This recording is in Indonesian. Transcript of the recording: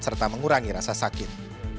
serta mengurangi rasa sakit